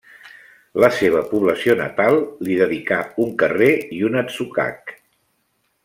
La seva població natal li dedicà un carrer i un atzucac.